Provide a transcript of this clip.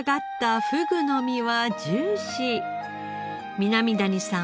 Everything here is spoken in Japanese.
南谷さん